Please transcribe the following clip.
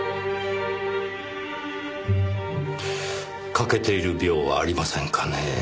欠けている鋲はありませんかねぇ。